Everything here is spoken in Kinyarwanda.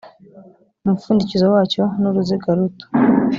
umupfundikizo wacyo nuruziga ruto.